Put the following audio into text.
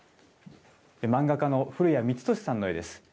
漫画家の古谷三敏さんの絵です。